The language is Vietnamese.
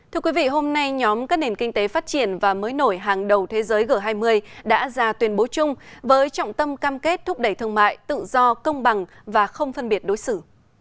thưa quý vị hôm nay nhóm các nền kinh tế phát triển và mới nổi hàng đầu thế giới g hai mươi đã ra tuyên bố chung với trọng tâm cam kết thúc đẩy thương mại tự do công bằng và không phân biệt đối xử